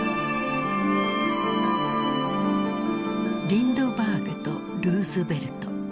リンドバーグとルーズベルト。